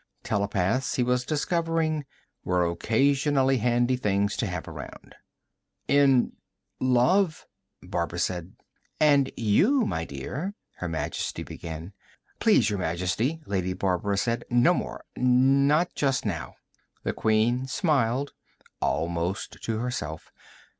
Telepaths, he was discovering, were occasionally handy things to have around. "In ... love " Barbara said. "And you, my dear " Her Majesty began. "Please, Your Majesty," Lady Barbara said. "No more. Not just now." The Queen smiled, almost to herself.